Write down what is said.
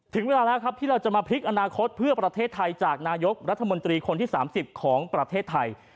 ถึงเวลาแล้วครับที่เราจะมาพลิกอนาคตเพื่อประเทศไทยจากนายกรัฐมนตรีคนที่๓๐ของประเทศไทย